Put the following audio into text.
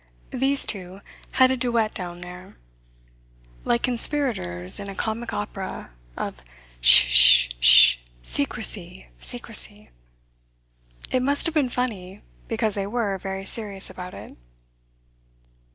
These two had a duet down there, like conspirators in a comic opera, of "Sh ssh, shssh! Secrecy! Secrecy!" It must have been funny, because they were very serious about it.